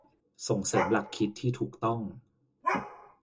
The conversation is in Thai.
ส่งเสริมหลักคิดที่ถูกต้อง